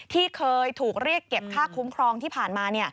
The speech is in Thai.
ที่เคยถูกเรียกเก็บค่าคุ้มครองที่ผ่านมา